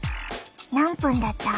何分だった？